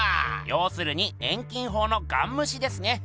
ようするに遠近法のガンむしですね。